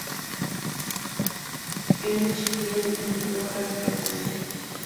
Erich Fried emigró a Gran Bretaña.